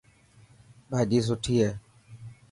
ڀاڄي سٺي هي.